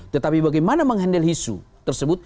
tetapi bagaimana mengendalikan hal itu